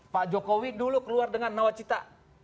pak jokowi dulu keluar dengan nawacita